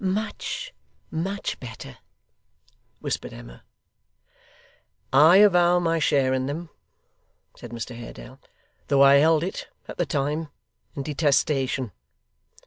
'Much, much better,' whispered Emma. 'I avow my share in them,' said Mr Haredale, 'though I held it, at the time, in detestation.